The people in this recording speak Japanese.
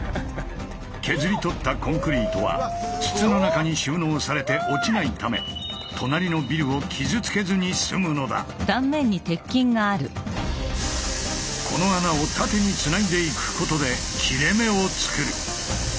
削り取ったコンクリートは筒の中に収納されて落ちないためこの穴を縦につないでいくことで切れ目を作る。